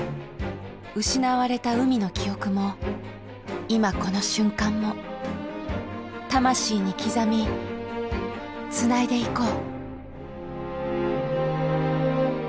失われた海の記憶も今この瞬間も魂に刻みつないでいこう。